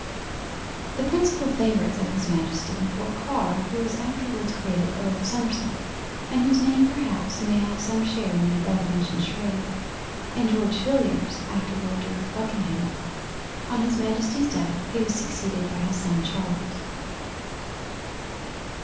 The principal favourites of his Majesty were Car, who was afterwards created Earl of Somerset and whose name perhaps may have some share in the above mentioned Sharade, and George Villiers afterwards Duke of Buckingham. On his Majesty's death he was succeeded by his son Charles.